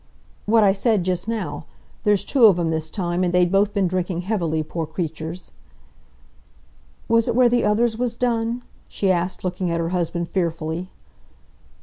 "What I said just now. There's two of 'em this time, and they'd both been drinking heavily, poor creatures." "Was it where the others was done?" she asked looking at her husband fearfully.